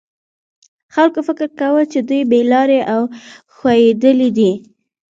خلکو فکر کاوه چې دوی بې لارې او ښویېدلي دي.